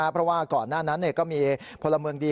เพราะว่าก่อนหน้านั้นก็มีพลเมืองดี